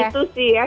itu sih ya